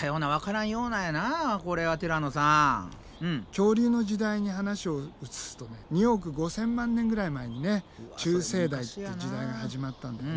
恐竜の時代に話を移すとね２億５，０００万年ぐらい前にね中生代っていう時代が始まったんだよね。